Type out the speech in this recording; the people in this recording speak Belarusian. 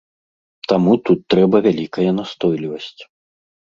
Таму тут трэба вялікая настойлівасць.